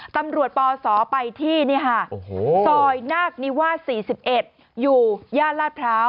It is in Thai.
ตำรวจปศไปที่ซอยนากนิวาส๔๑อยู่ย่านลาดเผลา